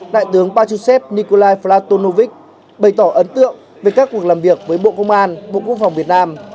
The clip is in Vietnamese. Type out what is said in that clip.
đại tướng pachusev nikolai fratonovic bày tỏ ấn tượng về các cuộc làm việc với bộ công an bộ quốc phòng việt nam